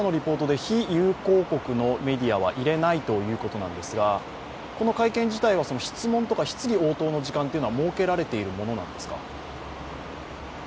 非友好国のメディアは入れないということなんですがこの会見自体は質問とか質疑応答の時間は設けられているものなんですか？